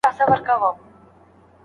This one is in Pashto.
آیا د غرونو هوا د ښارونو ترهوا پاکه ده؟